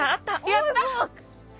やった！